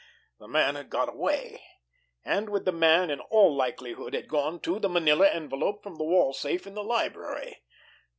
The man had got away, and with the man in all likelihood had gone, too, the manila envelope from the wall safe in the library!